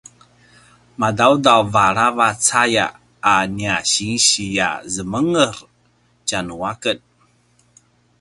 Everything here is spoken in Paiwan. madaudav aravac aya a nia sinsi a zemenger tjanuaken